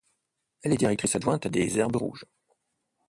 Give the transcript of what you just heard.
Elle est directrice adjointe des Herbes rouges.